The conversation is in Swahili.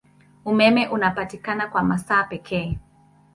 Umeme unapatikana kwa masaa pekee.